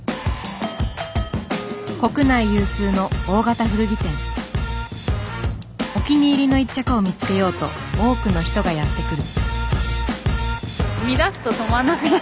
国内有数のお気に入りの一着を見つけようと多くの人がやって来る。